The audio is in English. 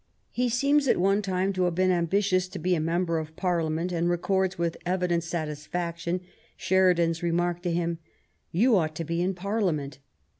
He seems at one time to have been ambitious to be a Member of Parliament, and records with evident satisfaction Sheridan's remark to him: *^You ought to be in Parliament.